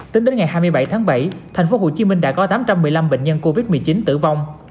tính đến ngày hai mươi bảy tháng bảy tp hcm đã có tám trăm một mươi năm bệnh nhân covid một mươi chín tử vong